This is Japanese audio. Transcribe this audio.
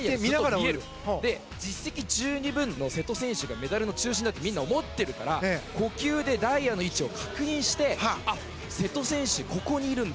実績十二分の瀬戸選手がメダルの中心だとみんな思っているから呼吸で大也の位置を確認して瀬戸選手、ここにいるんだ